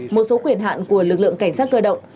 một số quyền hạn của lực lượng cảnh sát cơ động